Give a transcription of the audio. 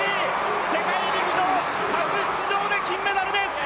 世界陸上初出場で金メダルです。